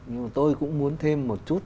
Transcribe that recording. nhưng mà tôi cũng muốn thêm một chút